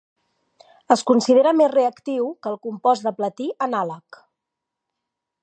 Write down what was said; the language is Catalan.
Es considera més reactiu que el compost de platí anàleg.